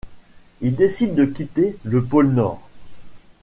Il décide de quitter le pôle Nord.